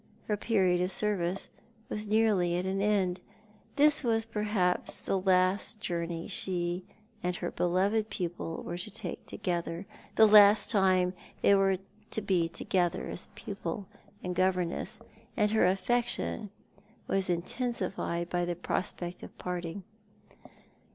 Her period of service was nearly at an end. This was perhaps the last journey she and her beloved pupil were to take together, the last time they were to be together as pupil and governess, and her affection was intensified by the prospect of parting.